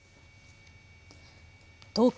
東京